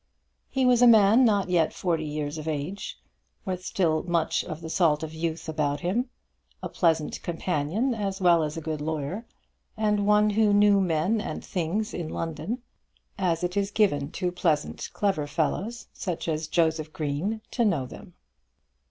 He was a man not yet forty years of age, with still much of the salt of youth about him, a pleasant companion as well as a good lawyer, and one who knew men and things in London, as it is given to pleasant clever fellows, such as Joseph Green, to know them.